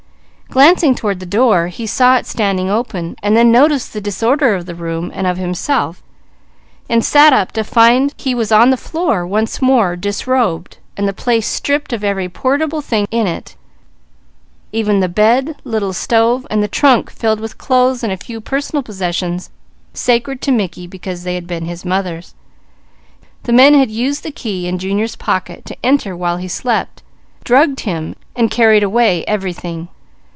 Glancing toward the door he saw it standing open and then noticed the disorder of the room, and of himself, and sat up to find he was on the floor, once more disrobed, and the place stripped of every portable thing in it, even the bed, little stove, and the trunk filled with clothes and a few personal possessions sacred to Mickey because they had been his mother's. The men had used the key in Junior's pocket to enter while he slept, drugged him, and carried away everything.